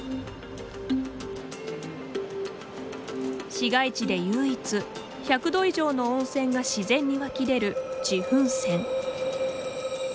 市街地で唯一１００度以上の温泉が自然に湧き出る自噴泉。